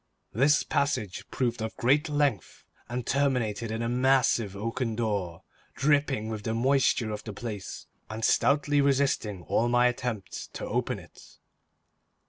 This passage proved of great length, and terminated in a massive oaken door, dripping with the moisture of the place, and stoutly resisting all my attempts to open it.